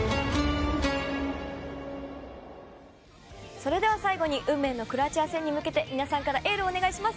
それでは最後に運命のクロアチア戦に向けて皆さんからエールをお願いします。